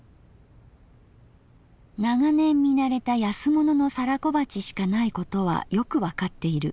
「長年見慣れた安物の皿小鉢しかないことはよくわかっている」。